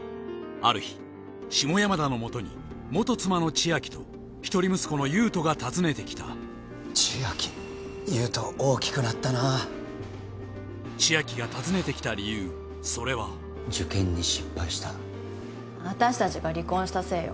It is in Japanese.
ある日下山田のもとに元妻の千秋と一人息子の優人が訪ねてきた千秋優人大きくなったな千秋が訪ねてきた理由それは受験に失敗した私達が離婚したせいよ